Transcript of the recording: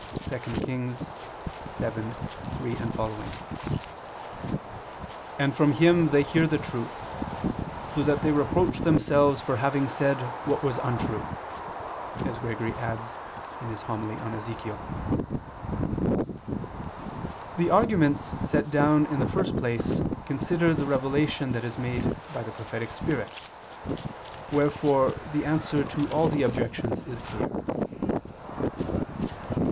2 Kings 7:3 seqq.], and from Him they hear the truth, so that they reproach themselves for having said what was untrue," as Gregory adds (Hom. i super Ezech.). The arguments set down in the first place consider the revelation that is made by the prophetic spirit; wherefore the answer to all the objections is clear.